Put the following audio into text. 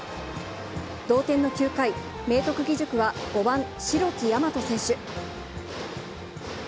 同点の９回、明徳義塾は５番しろきやまと選手。